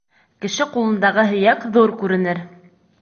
Кеше ҡулындағы һөйәк ҙур күренер.